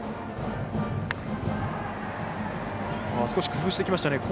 少し工夫してきました。